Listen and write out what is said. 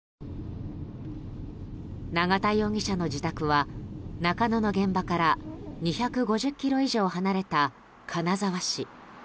永田容疑者の自宅は中野の現場から２５０ｋｍ以上離れた金沢市。